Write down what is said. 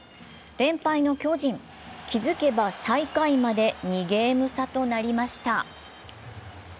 連敗の巨人、気づけば最下位まで２ゲーム差となりました。